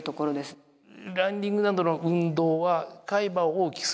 ランニングなどの運動は海馬を大きくすると。